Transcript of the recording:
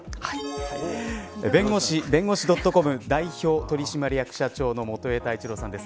弁護士・弁護士ドットコム代表取締役社長の元榮太一郎さんです。